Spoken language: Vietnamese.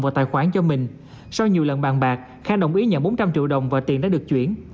vào tài khoản cho mình sau nhiều lần bàn bạc khang đồng ý nhận bốn trăm linh triệu đồng và tiền đã được chuyển